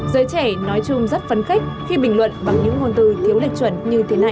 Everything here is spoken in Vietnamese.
giới trẻ nói chung rất phấn khích khi bình luận bằng những ngôn từ thiếu lịch chuẩn như thế này